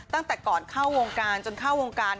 ตั้งแต่ก่อนเข้าวงการจนเข้าวงการ